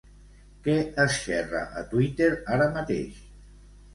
Què es xerra a Twitter ara mateix?